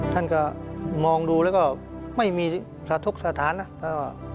ท่านก็มองดูแล้วก็ไม่มีสะทกสถานนะ